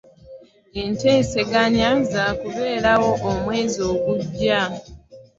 Enteseganya zakuberawo omwezi ogujja.